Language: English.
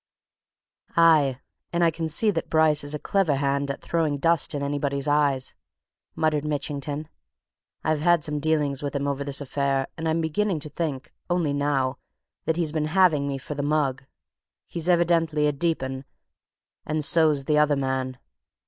"Aye and I can see that Bryce is a clever hand at throwing dust in anybody's eyes!" muttered Mitchington. "I've had some dealings with him over this affair and I'm beginning to think only now! that he's been having me for the mug! He's evidently a deep 'un and so's the other man."